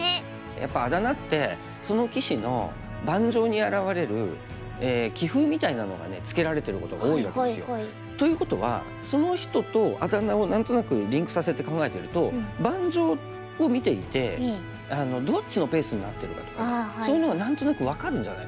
やっぱりあだ名ってその棋士の盤上に表れるということはその人とあだ名を何となくリンクさせて考えてると盤上を見ていてどっちのペースになってるかとかそういうのが何となく分かるんじゃないかな。